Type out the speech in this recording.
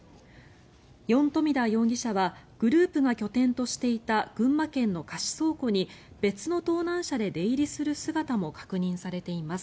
ヨン・トミダ容疑者はグループが拠点としていた群馬県の貸倉庫に別の盗難車で出入りする姿も確認されています。